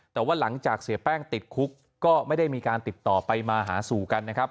แต่ว่าหลังจากเสียแป้งติดคุกก็ไม่ได้มีการติดต่อไปมาหาสู่กันนะครับ